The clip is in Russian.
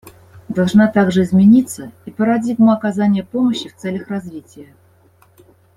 Должна также измениться и парадигма оказания помощи в целях развития.